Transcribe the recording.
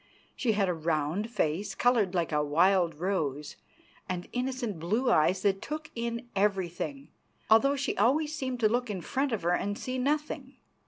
She had a round face, coloured like a wild rose, and innocent blue eyes that took in everything, although she always seemed to look in front of her and see nothing.